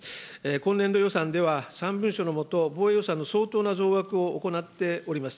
今年度予算では、３文書の下、防衛省の相当な増額を行っております。